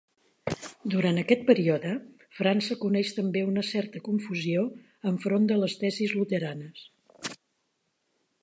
Durant aquest període, França coneix també una certa confusió enfront de les tesis luteranes.